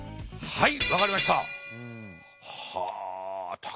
はい。